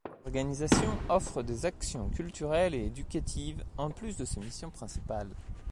L'organisation offre des actions culturelles et éducatives en plus de ses missions principales.